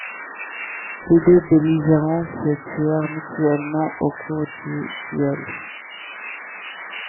Les deux belligérants se tuèrent mutuellement au cours du duel.